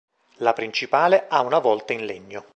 La principale ha una volta in legno.